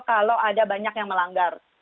kalau ada banyak yang melanggar